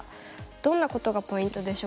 どんなことがポイントでしょうか。